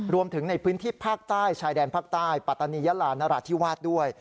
รวมถึงในพื้นที่ภาคใต้ชายแดนภาคใต้ปัตตานียาลานราธิวาสด้วย